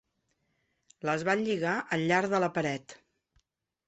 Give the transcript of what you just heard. Les van lligar al llarg de la paret